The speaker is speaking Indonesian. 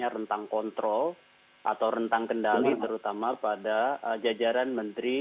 rentang kontrol atau rentang kendali terutama pada jajaran menteri